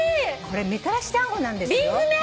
これみたらし団子なんですよ。